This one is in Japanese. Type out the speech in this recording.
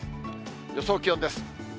予想気温です。